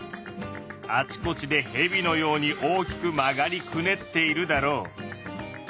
あちこちでヘビのように大きく曲がりくねっているだろう。